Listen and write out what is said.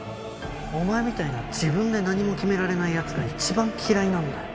お前みたいな自分で何も決められない奴が一番嫌いなんだよ。